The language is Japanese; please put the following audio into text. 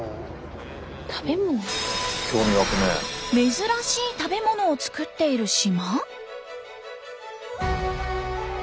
珍しい食べ物をつくっている島？